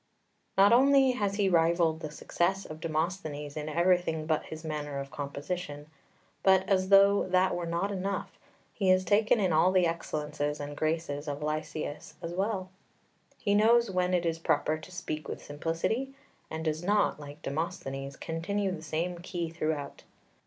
2 Not only has he rivalled the success of Demosthenes in everything but his manner of composition, but, as though that were not enough, he has taken in all the excellences and graces of Lysias as well. He knows when it is proper to speak with simplicity, and does not, like Demosthenes, continue the same key throughout.